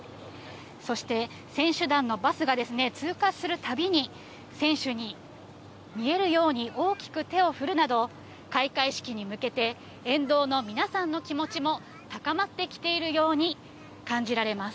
そして選手団のバスが通過するたびに、選手に見えるように大きく手を振るなど、開会式に向けて、沿道の皆さんの気持ちも高まってきているように感じられます。